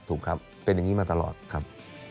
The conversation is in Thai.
ถูกครับเป็นอย่างนี้มาตลอดครับ